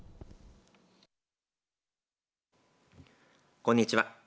こんにちは。